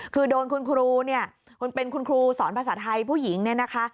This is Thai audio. คือโดนคุณครูเนี่ยเป็นคุณครูสอนภาษาไทยผู้หญิงเนี่ยนะคะ